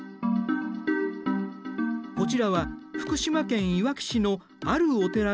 こちらは福島県いわき市のあるお寺の境内の様子。